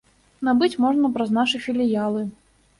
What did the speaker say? Набыць можна праз нашы філіялы.